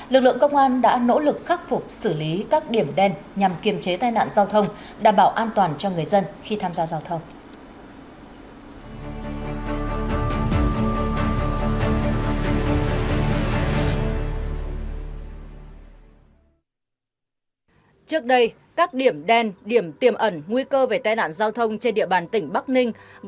lực lượng công an đã nỗ lực khắc phục xử lý các điểm đen nhằm kiềm chế tai nạn giao thông đảm bảo an toàn cho người dân khi tham gia giao thông